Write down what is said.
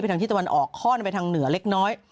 ทางที่ตะวันออกคล่อนไปทางเหนือเล็กน้อย